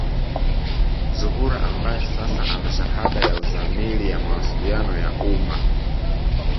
Zuhura ambaye sasa ana shahada ya uzamili ya mawasiliano ya umma